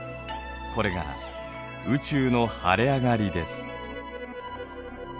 これが宇宙の晴れ上がりです。